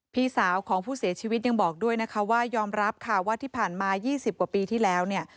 พี่สาวของผู้เสียชีวิตยังบอกด้วยนะคะว่ายอมรับค่ะว่าที่ผ่านมา๒๐กว่าปีที่แล้วเนี่ย